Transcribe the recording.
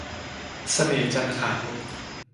เสน่ห์จันทร์ขาว